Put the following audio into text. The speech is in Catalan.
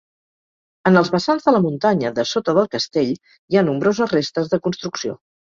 En els vessants de la muntanya, dessota del castell, hi ha nombroses restes de construcció.